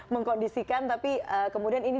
mengkondisikan tapi kemudian ini